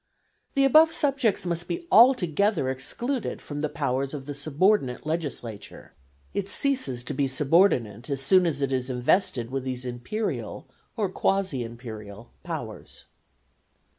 The above subjects must be altogether excluded from the powers of the subordinate legislature; it ceases to be subordinate as soon as it is invested with these Imperial, or quasi Imperial, powers.